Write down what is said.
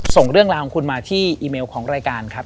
ส่งเรื่องราวของคุณมาที่อีเมลของรายการครับ